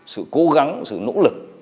sự cố gắng sự nỗ lực